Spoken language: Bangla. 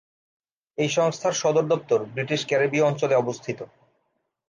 এই সংস্থার সদর দপ্তর ব্রিটিশ ক্যারিবীয় অঞ্চলে অবস্থিত।